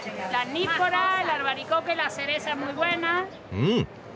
うん！